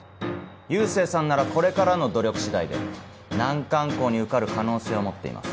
佑星さんならこれからの努力次第で難関校に受かる可能性を持っています。